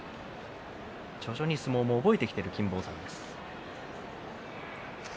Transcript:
徐々に相撲を覚えてきている金峰山です。